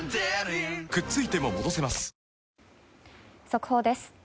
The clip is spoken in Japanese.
速報です。